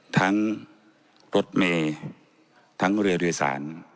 ทั้งรถเมย์ทั้งเรือโดยสาร